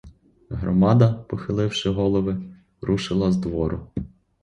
Громада, похиливши голови, рушила з двору.